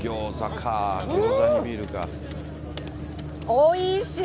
おいしい。